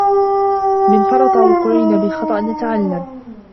من فرطِ وقوعنا بالخطأ نتعلم.